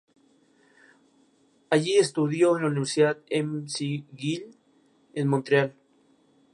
Uno de sus trabajos fue el de ayudante de producción en una compañía cinematográfica.